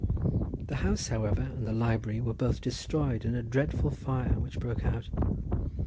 The house, however, and the library were both destroyed in a dreadful fire which broke out.